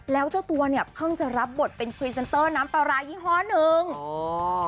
แล้วเจ้าตัวเนี่ยเพิ่งจะรับบทเป็นครีสเซนเตอร์น้ำปลารายยิงฮ๑